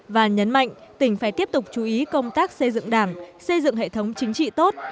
và nhấn mạnh tỉnh phải tiếp tục chú ý công tác xây dựng đảng xây dựng hệ thống chính trị tốt